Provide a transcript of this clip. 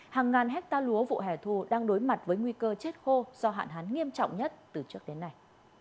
hàng ngàn hecta lúa vụ hẻ thu đang đối mặt với nguy cơ chết khô do hạn hán nghiêm trọng nhất từ trước đến nay